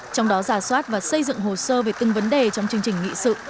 trong đó giả soát và xây dựng hồ sơ về từng vấn đề trong chương trình nghị sự